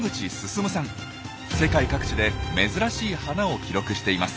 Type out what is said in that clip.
世界各地で珍しい花を記録しています。